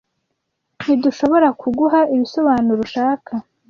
Ntidushobora kuguha ibisobanuro ushaka